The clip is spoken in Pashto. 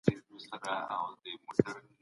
څنګ ته ویده وو